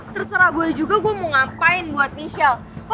terserah gue juga gue mau ngapain buat michelle